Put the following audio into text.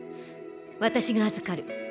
私が預かる。